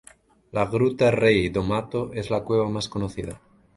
La Gruta Rei do Mato es la cueva más conocida.